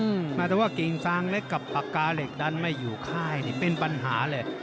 แม้แต่ว่ากิ่งซางเล็กกับปากกาเหล็กดันไม่อยู่ค่ายนี่เป็นปัญหาเลย